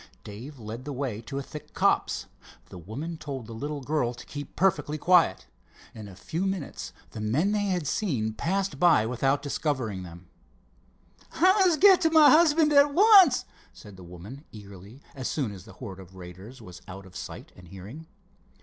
Dave led the way to a thick copse. The woman told the little girl to keep perfectly quiet. In a few minutes the men they had seen passed by without discovering them. "I must get to my husband at once," said the woman, eagerly, as soon as the horde of raiders was out of sight and hearing.